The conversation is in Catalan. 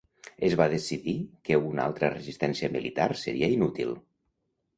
Es va decidir que una altra resistència militar seria inútil.